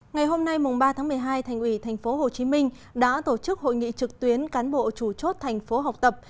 ngày hôm nay ba tháng một mươi hai thành ủy tp hcm đã tổ chức hội nghị trực tuyến cán bộ chủ chốt thành phố học tập